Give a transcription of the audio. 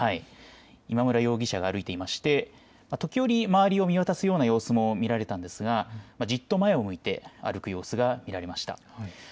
今村容疑者が歩いていまして時折、周りを見渡すような様子も見られたんですがじっと前を向いて歩く様子が見られました。